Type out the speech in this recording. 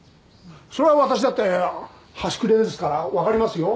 そりゃ私だって端くれですからわかりますよ